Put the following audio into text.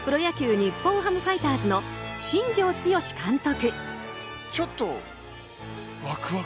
日本ハムファイターズの新庄剛志監督。